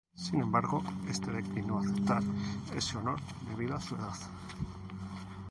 Sin embargo, este declinó aceptar ese honor debido a su edad.